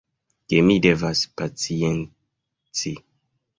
Ke mi devas pacienci.